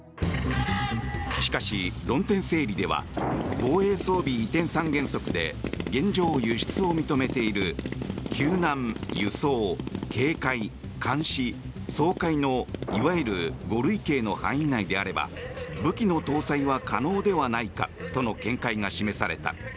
しかし、論点整理では防衛装備移転三原則で現状、輸出を認めている救難、輸送、警戒、監視、掃海のいわゆる５類型の範囲内であれば武器の搭載が可能ではないかとの見解が示された。